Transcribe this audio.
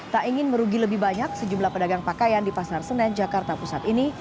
tak ingin merugi lebih banyak sejumlah pedagang pakaian di pasar senen jakarta pusat ini